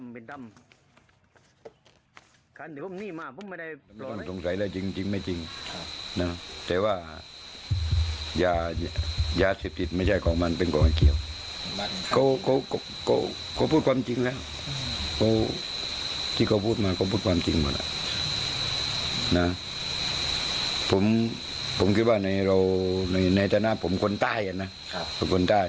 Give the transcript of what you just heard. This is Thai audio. ผมคิดว่าในธนาคตของผมคนใต้นะ